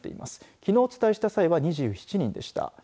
きのうお伝えした際は２７人でした。